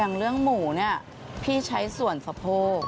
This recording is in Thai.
อย่างเรื่องหมูเนี่ยพี่ใช้ส่วนสะโพก